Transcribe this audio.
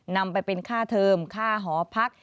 นำไปเป็นค่าเทิมค่าหอพัก